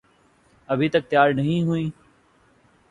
ابھی تک تیار نہیں ہوئیں؟